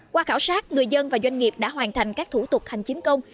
qua khảo sát người dân và doanh nghiệp đã hoàn thành các thủ tục hành chính công